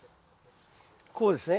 こうですね。